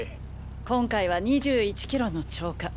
今回は２１キロの超過。